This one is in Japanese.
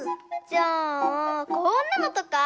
じゃあこんなのとか？